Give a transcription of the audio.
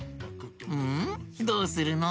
んどうするの？